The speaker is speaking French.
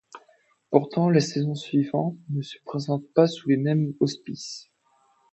Pourtant, la saison suivante ne se présente pas sous les mêmes auspices.